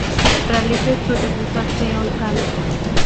Realizó estudios de solfeo y canto.